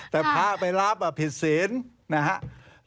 แต่พาไปรับผิดศิลป์นะครับ